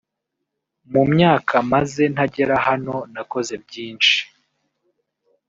mu myaka maze ntagera hano nakoze byinshi